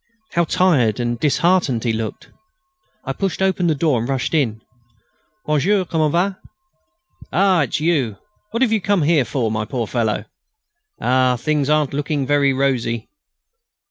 How tired and disheartened he looked! I pushed the door open and rushed in: "Bonjour! Comment va?" "Ah!... It's you! What have you come here for, my poor fellow? Ah! Things aren't looking very rosy...."